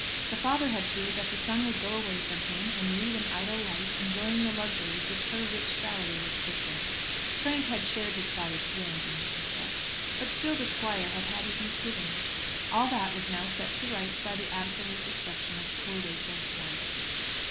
The father had feared that the son would go away from him, and lead an idle life, enjoying the luxuries which her rich salary would purchase. Frank had shared his father's feelings in this respect, but still the squire had had his misgivings. All that was now set to rights by the absolute destruction of poor Rachel's voice.